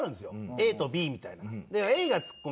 ＡとＢみたいな。